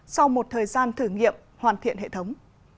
sau một thời gian thử nghiệm hoàn thiện hệ thống